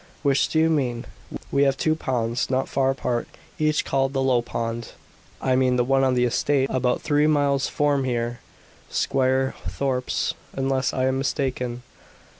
"Which do you mean? We have two ponds not far apart, each called the 'Low Pond'." "I mean the one on an estate about three miles from here Squire Thorpe's, unless I am mistaken."